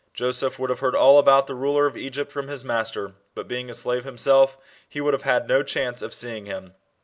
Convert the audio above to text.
Joseph would have heard all about the ruler of Egypt from his master, but being a slave himself he would have had no chance of seeing him.